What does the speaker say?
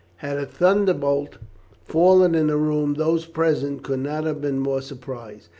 Had a thunderbolt fallen in the room those present could not have been more surprised.